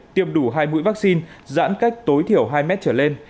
tiêm đủ hai mũi vaccine giãn cách tối thiểu hai mét trở lên